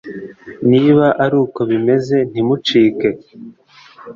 Niba ari ko bimeze ntimucike